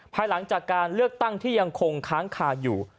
ภายหลังจากการเลือกตั้งที่ยังคงค้างคาอยู่